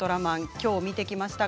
きょう見てきました。